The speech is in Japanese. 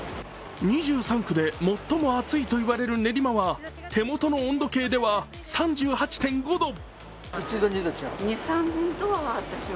２３区で最も暑いと言われる練馬は手元の温度計では３８．５度。